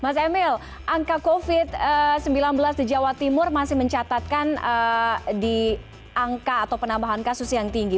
mas emil angka covid sembilan belas di jawa timur masih mencatatkan di angka atau penambahan kasus yang tinggi